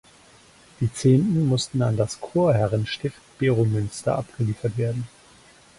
Die Zehnten mussten an das Chorherrenstift Beromünster abgeliefert werden.